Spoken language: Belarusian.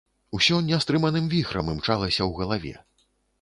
Усё нястрыманым віхрам імчалася ў галаве.